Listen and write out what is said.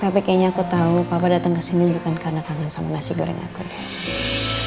tapi kayaknya aku tahu papa datang ke sini bukan karena kangen sama nasi goreng aku ya